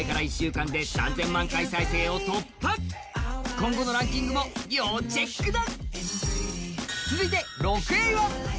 今後のランキングも要チェックだ。